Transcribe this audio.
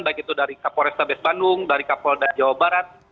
baik itu dari kapolres tabes bandung dari kapolda jawa barat